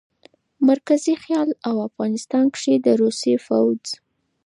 مرکزي خيال او افغانستان کښې د روسي فوج